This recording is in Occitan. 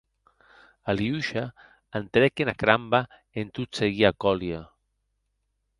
Aliosha entrèc ena cramba en tot seguir a Kolia.